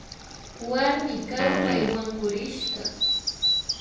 Warmi kawpay wankurishka